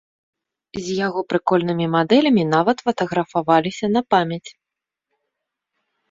З яго прыкольнымі мадэлямі нават фатаграфаваліся на памяць.